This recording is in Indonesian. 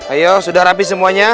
ayo sudah rapi semuanya